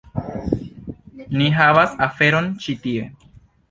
Ni havas aferon ĉi tie.